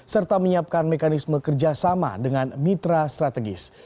serta menyiapkan mekanisme kerjasama dengan mitra strategis